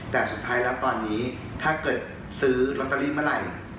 แต่สุดท้ายแล้วตอนนี้ถ้าเกิดซื้อลอตเตอรี่เมื่อไหร่